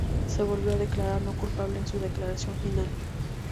Se volvió a declarar no culpable en su declaración final.